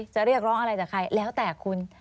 จะเรียกร้องอะไรจากใครแล้วแต่คุณ